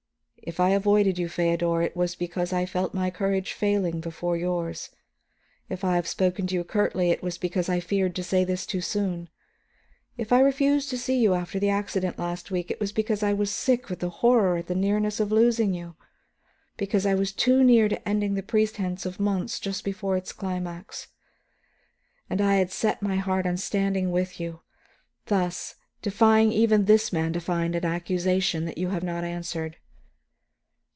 If I avoided you, Feodor, it was because I felt my courage failing before yours. If I have spoken to you curtly, it was because I feared to say this too soon. If I refused to see you after the accident last week, it was because I was sick with horror at the nearness of losing you, because I was too near to ending the pretense of months just before its climax. And I had set my heart on standing with you, thus, and defying even this man to find an accusation that you have not answered.